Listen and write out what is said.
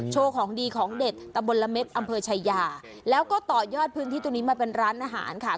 ของดีของเด็ดตะบนละเม็ดอำเภอชายาแล้วก็ต่อยอดพื้นที่ตรงนี้มาเป็นร้านอาหารค่ะ